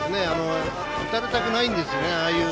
打たれたくないんですね。